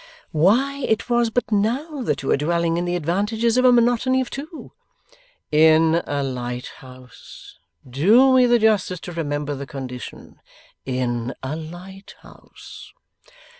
'Why, it was but now that you were dwelling in the advantages of a monotony of two.' 'In a lighthouse. Do me the justice to remember the condition. In a lighthouse.